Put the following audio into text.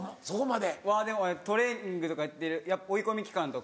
でもトレーニングとかやってる追い込み期間とか。